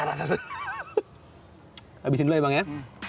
habisin dulu ya bang ya